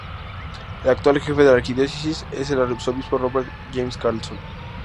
El actual jefe de la Arquidiócesis es el arzobispo Robert James Carlson.